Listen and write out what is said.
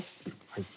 はい。